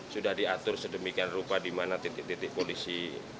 sudah diatur sedemikian rupa di mana titik titik polisi